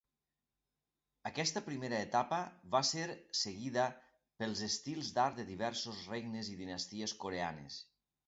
Aquesta primera etapa va ser seguida pels estils d'art de diversos regnes i dinasties coreanes.